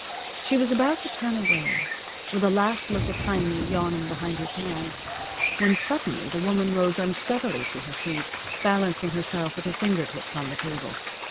She was about to turn away, with a last look at Heiny yawning behind his hand, when suddenly the woman rose unsteadily to her feet, balancing herself with her finger tips on the table.